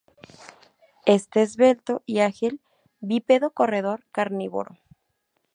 Este esbelto y ágil bípedo corredor carnívoro.